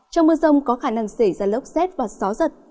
trong mưa rông có khả năng xảy ra lốc xét và gió giật